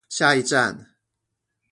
下一站